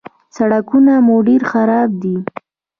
_سړکونه مو ډېر خراب دي.